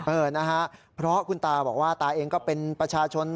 เออนะฮะเพราะคุณตาบอกว่าตาเองก็เป็นประชาชน